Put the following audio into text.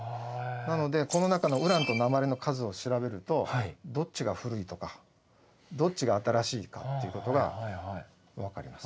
なのでこの中のウランと鉛の数を調べるとどっちが古いとかどっちが新しいかっていうことが分かります。